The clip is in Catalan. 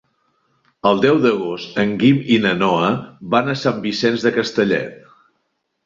El deu d'agost en Guim i na Noa van a Sant Vicenç de Castellet.